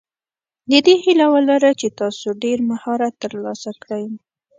د دې هیله ولره چې تاسو ډېر مهارت ترلاسه کړئ.